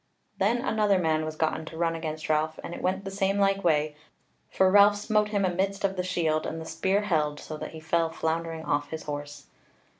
Then another man was gotten to run against Ralph, and it went the same like way: for Ralph smote him amidst of the shield, and the spear held, so that he fell floundering off his horse.